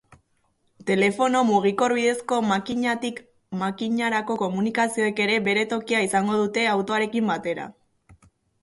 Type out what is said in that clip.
Telefono mugikor bidezko makinatik makinarako komunikazioek ere bere tokia izango dute autoarekin batera.